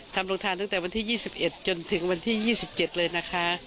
ทำโรงทานตั้งแต่วันที่๒๑จนถึงวันที่๒๗เลยนะคะ